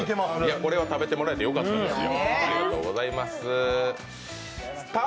これを食べてもらえてよかったですよ。